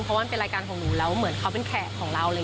เพราะว่ามันเป็นรายการของหนูแล้วเหมือนเขาเป็นแขกของเราเลย